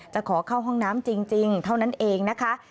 จะขอเข้าห้องน้ำจริงเท่านั้นเองนะคะ